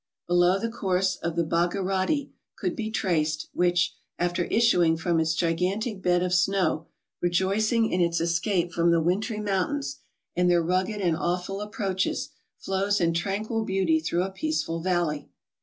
Below the course of the Bhagirati could be traced, which, after issuing from its gigantic bed of snow, rejoicing in its escape from the wintry mountains, and their rugged and awful approaches, flows in tranquil beauty through a peaceful valley.